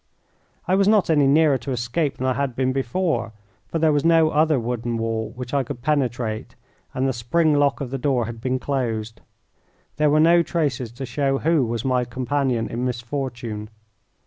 I was not any nearer to escape than I had been before, for there was no other wooden wall which I could penetrate and the spring lock of the door had been closed. There were no traces to show who was my companion in misfortune.